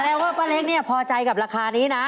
ว่าป้าเล็กเนี่ยพอใจกับราคานี้นะ